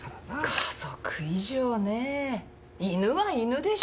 家族以上ねえ犬は犬でしょ。